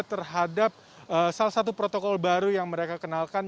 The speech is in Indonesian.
terhadap salah satu protokol baru yang mereka kenalkan